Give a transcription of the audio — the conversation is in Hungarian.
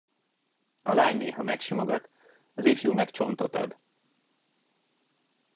A lány néha megsimogat, az ifjú meg csontot ad.